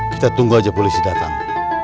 kita tunggu aja polisi datang